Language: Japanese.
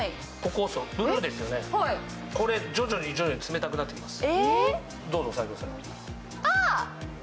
これ、徐々に徐々に冷たくなってきます。